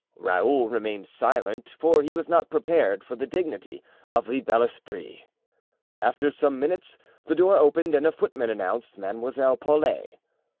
Raoul remained silent, for he was not prepared for the dignity of the bel esprit. After some minutes the door opened and a footman announced Mademoiselle Paulet.